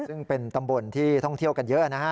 ซึ่งเป็นตำบลที่ท่องเที่ยวกันเยอะนะฮะ